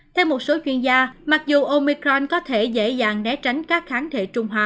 theo một số chuyên gia mặc dù omicron có thể dễ dàng né tránh các kháng thể trụng hòa